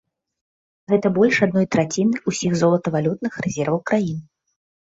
Гэта больш адной траціны ўсіх золатавалютных рэзерваў краіны.